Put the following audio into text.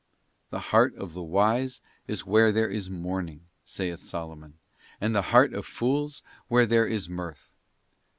'The heart of the wise is where there is mourning,' saith Solomon, ' and the heart of fools where there is mirth.